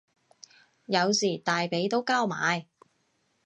有時大髀都交埋